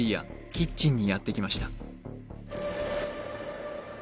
キッチンにやってきました